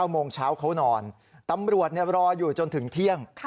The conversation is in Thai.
โมงเช้าเขานอนตำรวจรออยู่จนถึงเที่ยง